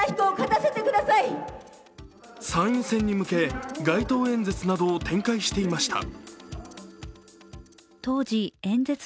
参院選に向け街頭演説などを展開していました。